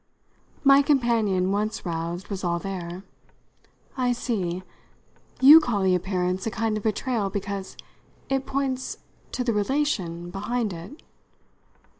My companion, once roused, was all there. "I see. You call the appearance a kind of betrayal because it points to the relation behind it."